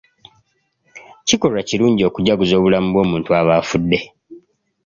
Kikolwa kirungi okujaguza obulamu bw'omuntu aba afudde.